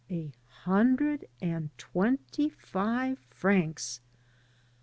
A hundred and twenty five francs!